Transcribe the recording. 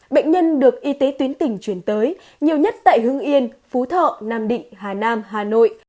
bệnh nhân được y tế tuyến tỉnh chuyển tới nhiều nhất tại hưng yên phú thọ nam định hà nam hà nội